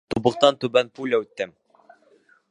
Тубыҡтан түбән пуля үтте.